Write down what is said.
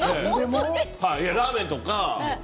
ラーメンとか。